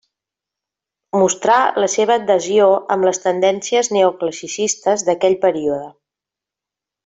Mostrà la seva adhesió amb les tendències neoclassicistes d'aquell període.